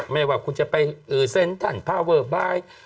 ไม่ว่าคุณจะไปเซ็นทันพาเวอร์บาย